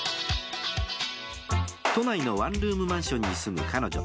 都内のワンルームマンションに住む彼女。